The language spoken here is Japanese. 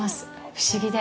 不思議で。